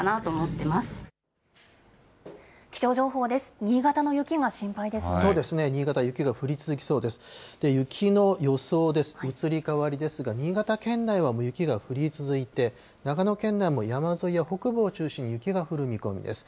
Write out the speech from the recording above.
移り変わりですが、新潟県内は雪が降り続いて、長野県内も山沿いや北部を中心に雪が降る見込みです。